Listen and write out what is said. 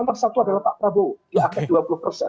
nomor satu adalah pak pranowo diangkat dua puluh persen